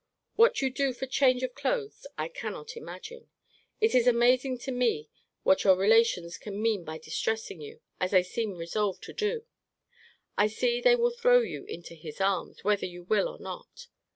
What you do for change of clothes, I cannot imagine. It is amazing to me what your relations can mean by distressing you, as they seem resolved to do. I see they will throw you into his arms, whether you will or not.